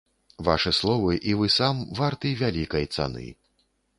Вашы словы і вы сам варты вялікай цаны.